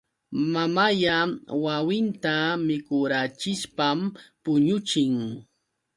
Mamalla wawinta mikurachishpam puñuchin.